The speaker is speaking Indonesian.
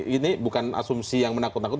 ini bukan asumsi yang menakut nakut